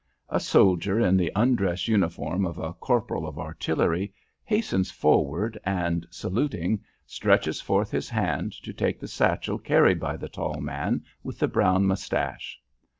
A soldier in the undress uniform of a corporal of artillery hastens forward and, saluting, stretches forth his hand to take the satchel carried by the tall man with the brown moustache.